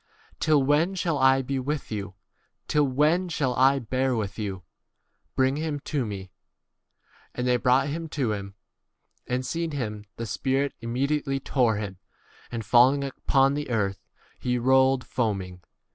till when shall I be with you? till when shall I bear with you ? bring him to me. 20 And they brought him to him. And seeing him the spirit imme diately tore him ; and falling upon 21 the earth, he rolled foaming.